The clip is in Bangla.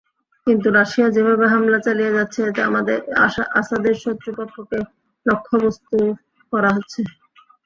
কিন্তু রাশিয়া যেভাবে হামলা চালিয়ে যাচ্ছে, এতে আসাদের শত্রুপক্ষকে লক্ষ্যবস্তু করা হচ্ছে।